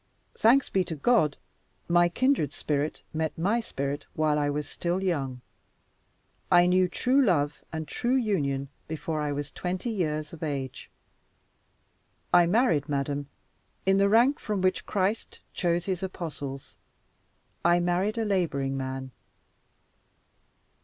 Thanks be to God, my kindred spirit met my spirit while I was still young. I knew true love and true union before I was twenty years of age. I married, madam, in the rank from which Christ chose his apostles I married a laboring man.